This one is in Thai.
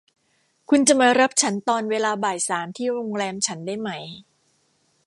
คุณจะมารับฉันตอนเวลาบ่ายสามที่โรงแรมฉันได้ไหม